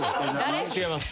違います。